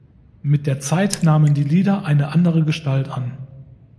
Mit der Zeit nahmen die Lieder eine andere Gestalt an.